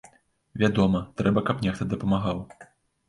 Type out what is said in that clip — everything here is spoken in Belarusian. Вядома, трэба каб нехта дапамагаў.